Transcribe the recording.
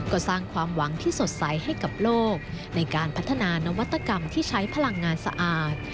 ก็สร้างความหวังที่สดใสให้กับโลกในการพัฒนานวัตกรรมที่ใช้พลังงานสะอาด